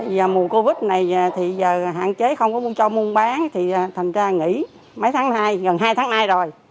giờ mùa covid này thì giờ hạn chế không có mua cho mua mua bán thì thành ra nghỉ mấy tháng hai gần hai tháng hai rồi